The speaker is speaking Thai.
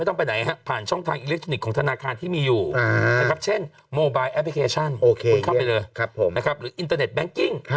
นะครับบินเตอร์เน็ตแบงก์กิ้ง